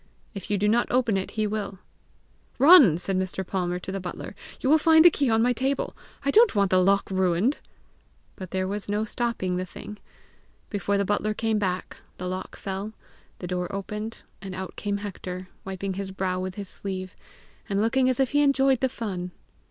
If you do not open it, he will!" "Run," said Mr. Palmer to the butler; "you will find the key on my table! I don't want the lock ruined!" But there was no stopping the thing! Before the butler came back, the lock fell, the door opened, and out came Hector, wiping his brow with his sleeve, and looking as if he enjoyed the fun.